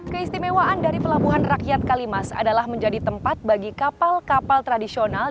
keistimewaan dari pelabuhan rakyat kalimas adalah menjadi tempat bagi kapal kapal tradisional